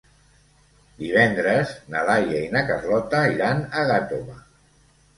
Divendres na Laia i na Carlota iran a Gàtova.